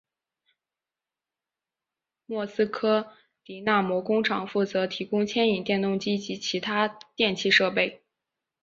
莫斯科迪纳摩工厂负责提供牵引电动机及其他电气设备。